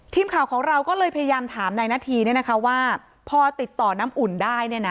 ทีมข่าวของเราก็เลยพยายามถามนายนาธีว่าพอติดต่อน้ำอุ่นได้